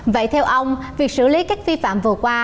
vậy theo ông việc xử lý các vi phạm vừa qua